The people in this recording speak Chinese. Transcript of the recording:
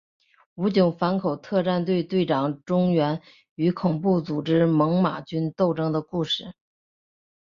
武警反恐特战队队长钟原与恐怖组织猛玛军斗争的故事。